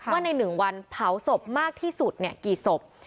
ว่าใน๑วันเผาศพมากที่สุดกี่ศพ